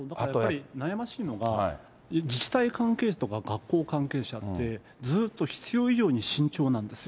悩ましいのが、自治体関係者とか学校関係者って、ずっと必要以上に慎重なんですよ。